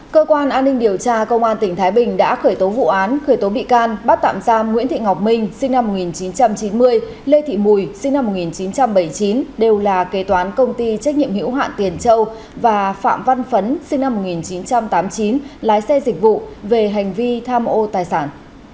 cơ quan an ninh điều tra công an tỉnh thái bình đã khởi tố vụ án khởi tố bị can bắt tạm giam nguyễn thị ngọc minh sinh năm một nghìn chín trăm chín mươi lê thị mùi sinh năm một nghìn chín trăm bảy mươi chín đều là kế toán công ty trách nhiệm hữu hạn tiền châu và phạm văn phấn sinh năm một nghìn chín trăm tám mươi chín lái xe dịch vụ về hành vi tham ô tài sản